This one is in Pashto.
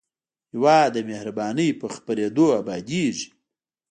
هېواد د مهربانۍ په خپرېدو ابادېږي.